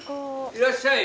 いらっしゃい。